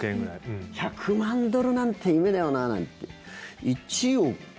１００万ドルなんて夢だよななんて。